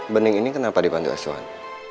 bening ini kenapa dibantu asuhan